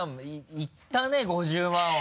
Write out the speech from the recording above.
いったね５０万は。